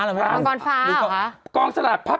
มังกรฟ้าหรอครับ